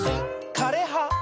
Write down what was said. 「かれは」！